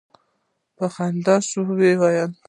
په خندا شو ویل یې.